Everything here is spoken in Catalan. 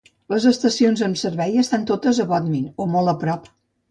Les estacions amb servei estan totes a Bodmin o molt a prop.